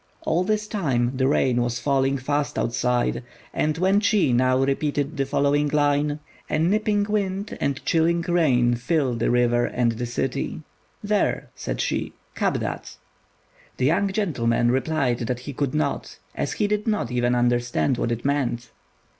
All this time the rain was falling fast outside, and Wên chi now repeated the following line: "A nipping wind and chilly rain fill the river and the city." "There," said she, "cap that." The young gentleman replied that he could not, as he did not even understand what it meant.